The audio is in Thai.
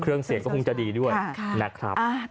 เครื่องเสียงก็คงจะดีด้วยนะครับ